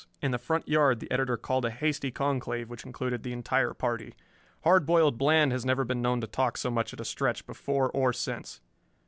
In the front yard the editor called a hasty conclave which included the entire party. Hard Boiled Bland has never been known to talk so much at a stretch, before or since.